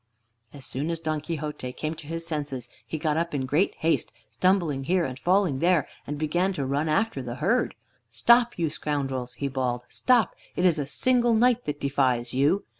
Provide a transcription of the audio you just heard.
As soon as Don Quixote came to his senses he got up in great haste, stumbling here and falling there, and began to run after the herd. "Stop, you scoundrels!" he bawled. "Stop! It is a single knight that defies you."